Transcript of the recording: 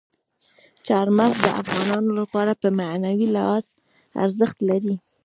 چار مغز د افغانانو لپاره په معنوي لحاظ ارزښت لري.